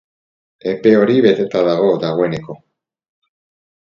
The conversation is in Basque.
Epe hori beteta dago, dagoeneko.